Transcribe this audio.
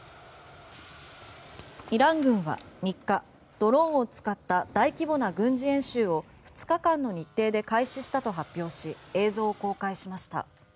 イラン軍は３日ドローンを使った大規模な軍事演習を２日間の日程で開始したと発表し、映像を公開しました。